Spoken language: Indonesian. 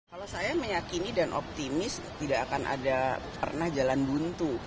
kalau saya meyakini dan optimis tidak akan ada pernah jalan buntu